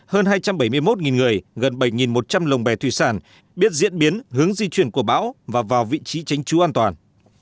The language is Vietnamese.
hơn hai trăm bảy mươi một người gần bảy một trăm linh lồng bè thủy sản biết diễn biến hướng di chuyển của bão và vào vị trí tránh trú an toàn